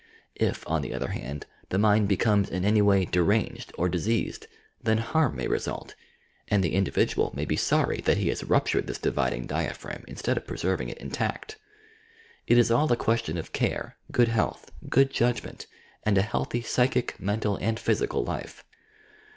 If, on the other hand, the mind becomes in any way deranged or diseased, then harm may result, and the individual may be sorry that he has ruptured this dividing diaphragm instead of preserving it intact. It la all a question of care, good health, good judgment, and a healthy psychic, mental and physical life.